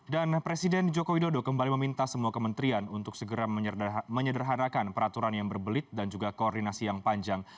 dan presiden jokowi dodo kembali meminta semua kementerian untuk segera menyederhanakan peraturan yang berbelit dan juga koordinasi yang panjang